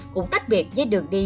cũng tách biệt với đường đi